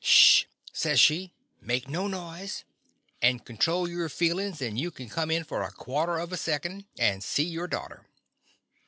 " 'Sh h!'' says she, "make no noise, and control your feelin's, and you can come in for a quarter of a second and see your daughter.